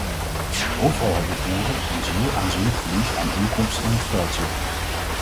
Overal hebben boeren een zeer aanzienlijk verlies aan inkomsten in het vooruitzicht.